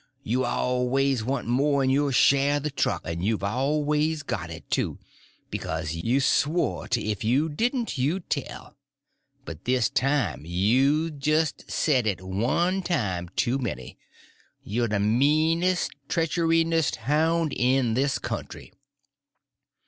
You always want more'n your share of the truck, and you've always got it, too, because you've swore 't if you didn't you'd tell. But this time you've said it jest one time too many. You're the meanest, treacherousest hound in this country."